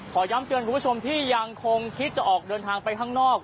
ย้ำเตือนคุณผู้ชมที่ยังคงคิดจะออกเดินทางไปข้างนอก